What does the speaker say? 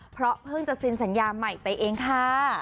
เพราะเพิ่งจะเซ็นสัญญาใหม่ไปเองค่ะ